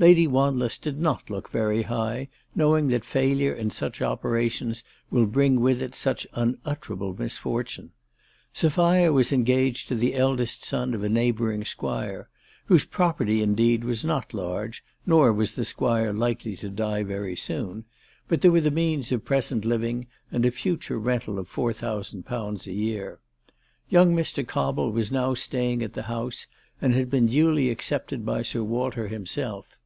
Lady Wanless did not look very high, knowing that failure in such opera tions will bring with it such unutterable misfortune. Sophia was engaged to the eldest son of a neighbouring Squire, whose property indeed was not large, nor was the squire likely to die very soon ; but there were the ALICE DTJGDALE. 345 means of present living and a future rental of 4,000 a year. Young Mr. Cobble was now staying at the house, and had been duly accepted by Sir Walter him self.